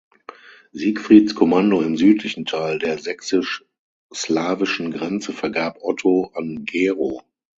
Siegfrieds Kommando im südlichen Teil der sächsisch-slawischen Grenze vergab Otto an Gero.